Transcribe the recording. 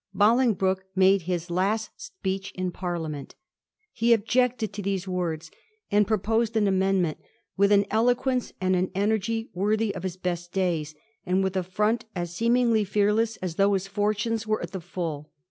Bolingbroke made his last speech iq Parliament. He objected to these words, and proposed an amendment, with an eloquence and an energy worthy of his best days, and with a front as seemingly fearless as though his fortunes were at the full.